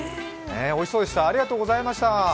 おいしそうでした、ありがとうございました。